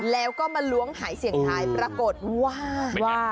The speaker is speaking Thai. แล้วก็มาล้วงหายเสียงทายปรากฏว่าว่า